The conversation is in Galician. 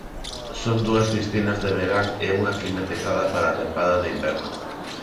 Son dúas piscinas de verán e unha climatizada para a tempada de inverno.